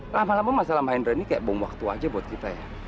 lama lama masalah mahendra ini kayak bom waktu aja buat kita ya